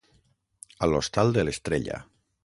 A l'hostal de l'estrella.